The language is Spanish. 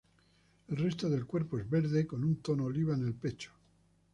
El resto del cuerpo es verde, con un tono oliva en el pecho.